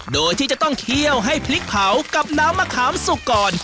โดยที่จะต้องเคี่ยวให้พริกเผากับน้ำมะขามสุกก่อน